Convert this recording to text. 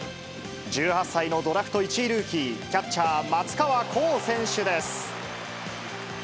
１８歳のドラフト１位ルーキー、キャッチャー、松川虎生選手です。